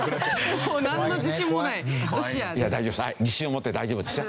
自信を持って大丈夫ですよ。